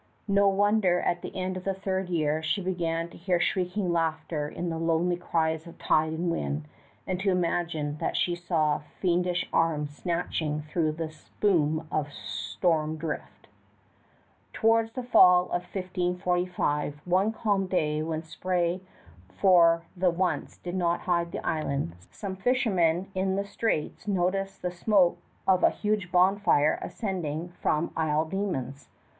No wonder at the end of the third year she began to hear shrieking laughter in the lonely cries of tide and wind, and to imagine that she saw fiendish arms snatching through the spume of storm drift. Towards the fall of 1545, one calm day when spray for the once did not hide the island, some fishermen in the straits noticed the smoke of a huge bonfire ascending from Isle Demons.